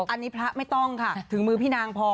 อันนี้พระไม่ต้องค่ะถึงมือพี่นางพอ